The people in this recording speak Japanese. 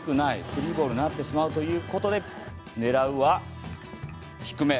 スリーボールになってしまうということで狙うは、低め。